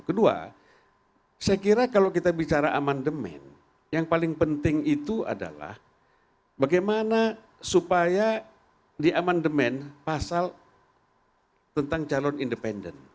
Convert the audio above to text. kedua saya kira kalau kita bicara amandemen yang paling penting itu adalah bagaimana supaya di amandemen pasal tentang calon independen